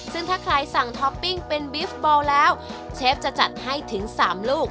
ซึ่งถ้าใครสั่งท็อปปิ้งเป็นบีฟบอลแล้วเชฟจะจัดให้ถึง๓ลูก